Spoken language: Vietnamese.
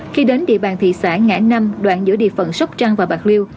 khi đến địa bàn thị xã ngã năm đoạn giữa địa phận sóc trăng và bạc liêu